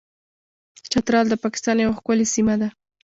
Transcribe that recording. چترال د پاکستان یوه ښکلې سیمه ده.